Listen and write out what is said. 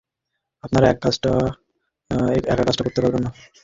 আপনারা একা কাজটা পারবেন না।